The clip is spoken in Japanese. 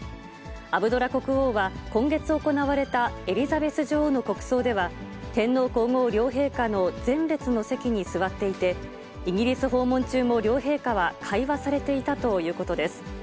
アブドラ国王は、今月行われたエリザベス女王の国葬では、天皇皇后両陛下の前列の席に座っていて、イギリス訪問中も両陛下は会話されていたということです。